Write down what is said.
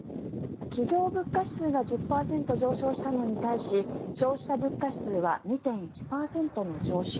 企業物価指数が１０％上昇したのに対し消費者物価指数は２．１％の上昇。